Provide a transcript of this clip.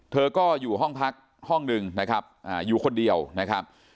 เธอก็อยู่ห้องพักห้องหนึ่งนะครับอยู่คนเดียวนะครับ